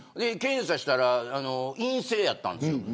検査したら陰性やったんです。